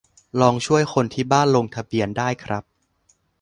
ลองช่วยคนที่บ้านลงทะเบียนได้ครับ